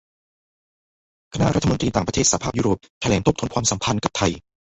คณะรัฐมนตรีต่างประเทศสหภาพยุโรปแถลงทบทวนความสัมพันธ์กับไทย